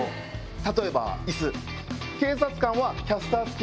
例えば椅子。